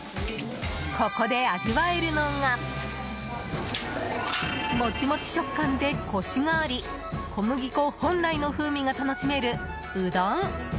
ここで味わえるのがモチモチ食感で、コシがあり小麦粉本来の風味が楽しめるうどん。